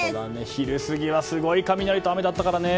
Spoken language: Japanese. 昼過ぎはすごい雷と雨だったからね。